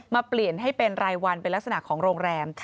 เปลี่ยนให้เป็นรายวันเป็นลักษณะของโรงแรม